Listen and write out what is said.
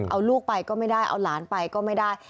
เอาลูกไปก็ไม่ได้เอาหลานไปก็ไม่ได้